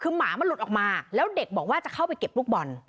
คือหมามันหลุดออกมาแล้วเด็กบอกว่าจะเข้าไปเก็บลูกบอล